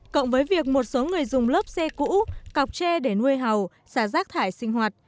cộng với việc một số người dùng lớp xe cũ cọc tre để nuôi hầu xả rác thải sinh hoạt